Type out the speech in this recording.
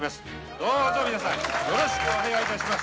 どうぞ皆さん、よろしくお願いいたします！